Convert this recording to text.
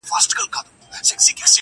ساقي نوې مي توبه کړه ډک جامونه ښخومه٫